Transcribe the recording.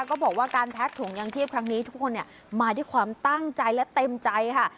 ก็บอกว่าการแพ็กถุงยังชีพครั้งนี้ทุกคนมาด้วยความตั้งใจและเต็มใจค่ะ